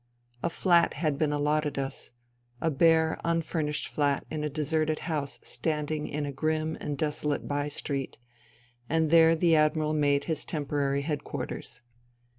A flat had been allotted us, a bare, unfurnished flat in a deserted house standing in a grim and desolate by street ; and there the Admiral made his temporary headquarters.